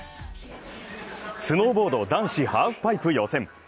スノーボード男子ハーフパイプ予選。